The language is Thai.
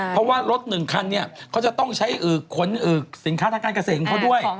เพราะว่ารถหนึ่งคันเขาจะต้องใช้สินค้าทางการเกษตรเขาด้วย